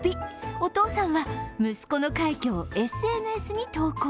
お父さんは息子の快挙をＳＮＳに投稿。